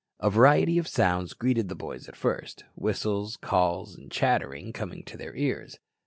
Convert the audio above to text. A variety of sounds greeted the boys at first, whistles, calls, and chattering coming to their ears.